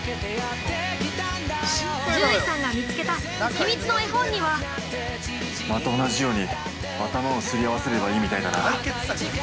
◆獣医さんが見つけた秘密の絵本には◆また同じように頭をすり合わせればいいみたいだな。